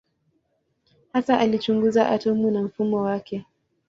Hasa alichunguza atomu na mfumo wake.